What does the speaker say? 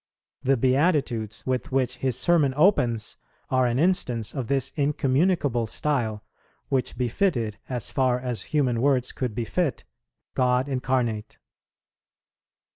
The Beatitudes, with which His Sermon opens, are an instance of this incommunicable style, which befitted, as far as human words could befit, God Incarnate.